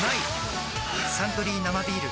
「サントリー生ビール」